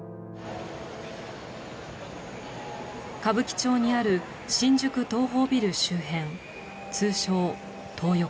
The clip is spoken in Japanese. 歌舞伎町にある新宿東宝ビル周辺通称「トー横」。